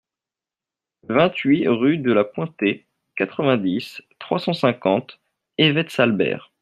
vingt-huit rue de la Pointée, quatre-vingt-dix, trois cent cinquante, Évette-Salbert